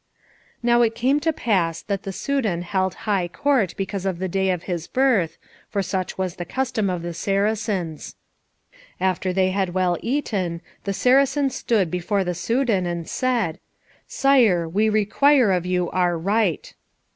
Now it came to pass that the Soudan held high Court because of the day of his birth, for such was the custom of the Saracens. After they had well eaten, the Saracens stood before the Soudan, and said, "Sire, we require of you our right."